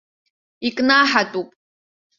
Икнаҳатәуп!